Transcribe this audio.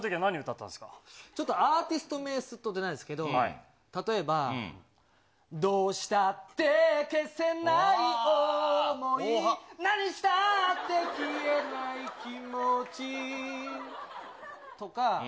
ちょっとアーティスト名、すっと出ないんですけど、例えば、どうしたって消せない思い、何したって消えない気持ちとか。